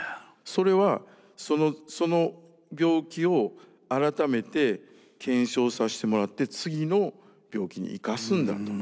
それはその病気を改めて検証させてもらって次の病気に生かすんだと。